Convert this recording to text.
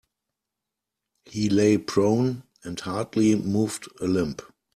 He lay prone and hardly moved a limb.